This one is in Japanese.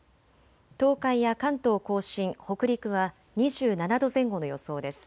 東海や関東甲信、北陸は２７度前後の予想です。